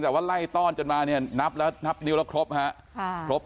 แต่ว่าไล่ต้อนจนมาเนี่ยนับแล้วนับนิ้วแล้วครบครับ